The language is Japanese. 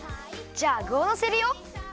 じゃあぐをのせるよ。